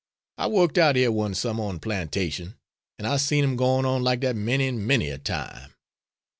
I wo'ked out hyuh one summer on plantation, an' I seen 'em gwine on like dat many 'n' many a time.